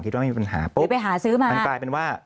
คิดว่ามีปัญหาปุ๊บมันกลายเป็นว่า